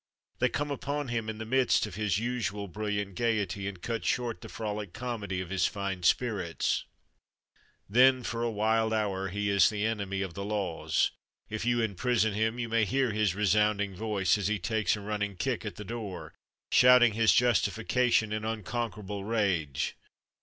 They come upon him in the midst of his usual brilliant gaiety and cut short the frolic comedy of his fine spirits. Then for a wild hour he is the enemy of the laws. If you imprison him, you may hear his resounding voice as he takes a running kick at the door, shouting his justification in unconquerable rage.